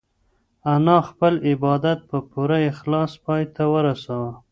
انا خپل عبادت په پوره اخلاص پای ته ورساوه.